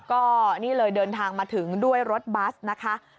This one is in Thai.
ก็นี่เลยเดินทางมาถึงด้วยรถบัสนะคะ